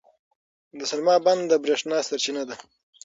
د سلما بند د برېښنا سرچینه ده.